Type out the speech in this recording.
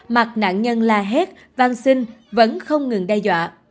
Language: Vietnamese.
mặc nạn nhân la hét vang sinh vẫn không ngừng đe dọa